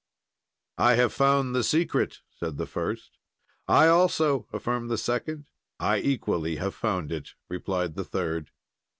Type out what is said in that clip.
"'I have found the secret,' said the first. "'I also,' affirmed the second. "'I equally have found it,' replied the third.